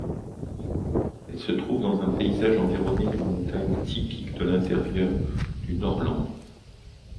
Elle se trouve dans un paysage environné de montagnes typiques de l'intérieur du Norrland.